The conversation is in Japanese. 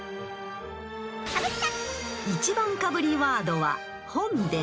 ［１番かぶりワードは「本殿」］